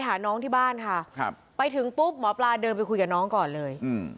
หาน้องที่บ้านค่ะครับไปถึงปุ๊บหมอปลาเดินไปคุยกับน้องก่อนเลยอืม